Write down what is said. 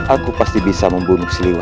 aku pasti bisa membunuh siliwan